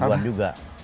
jadi gangguan juga